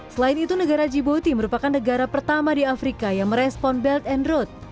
selain itu negara jiboti merupakan negara pertama di afrika yang merespon belt and road